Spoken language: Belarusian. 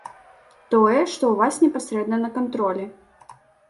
Тое што ў вас непасрэдна на кантролі.